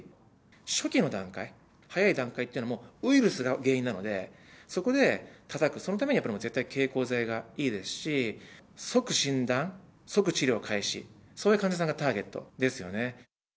初期の段階、早い段階というのは、ウイルスが原因なので、そこでたたく、そのためにやっぱり絶対経口剤がいいですし、即診断、即治療開始、そういう患者さんがターゲットですよね。